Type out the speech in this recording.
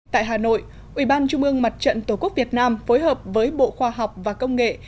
tại hà nội ủy ban trung ương mặt trận tổ quốc việt nam phối hợp với bộ khoa học và công nghệ